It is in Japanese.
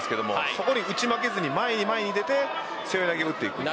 そこに打ち負けずに前に出て背負投を打っていく。